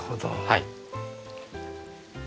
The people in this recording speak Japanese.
はい。